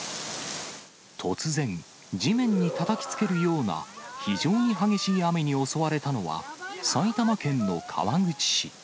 突然、地面にたたきつけるような、非常に激しい雨に襲われたのは、埼玉県の川口市。